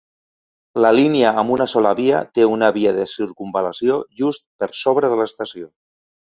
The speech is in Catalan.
La línia amb una sola via té una via de circumval·lació just per sobre de l'estació.